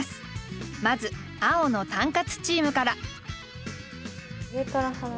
まず青のタンカツチームから。